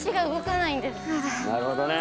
なるほどね。